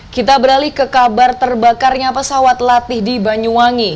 kita beralih ke kabar terbakarnya pesawat latih di banyuwangi